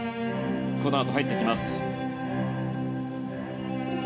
このあと入っていきます。